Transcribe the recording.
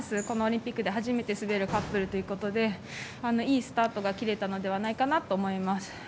このオリンピックで初めて滑るカップルということでいいスタートが切れたのではないかなと思います。